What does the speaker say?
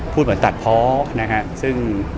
พูดเหมือนตัดเพาะนะฮะซึ่ง